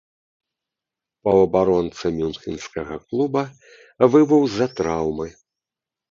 Паўабаронца мюнхенскага клуба выбыў з-за траўмы.